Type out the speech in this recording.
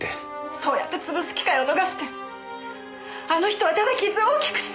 そうやって潰す機会を逃してあの人はただ傷を大きくして！